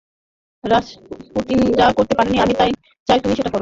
Rasputin যা করতে পারেনি, আমি চাই তুমি সেটা করো!